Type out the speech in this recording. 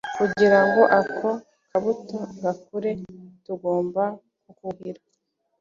Kugira ngo ako kabuto gakure tugomba kukuhira